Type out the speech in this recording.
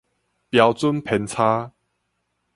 標準偏差